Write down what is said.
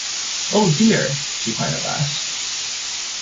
‘Oh, dear!’ she cried at last.